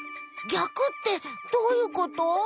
逆ってどういうこと？